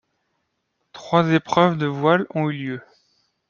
Trois épreuves de voile ont eu lieu.